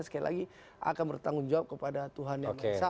sekali lagi akan bertanggungjawab kepada semua rakyat indonesia